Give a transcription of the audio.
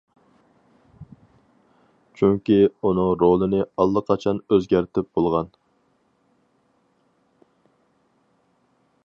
چۈنكى ئۇنىڭ رولىنى ئاللىقاچان ئۆزگەرتىپ بولغان.